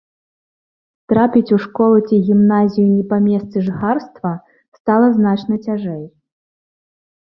Трапіць у школу ці гімназію не па месцы жыхарства стала значна цяжэй.